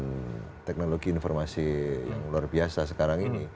dengan teknologi informasi yang luar biasa sekarang ini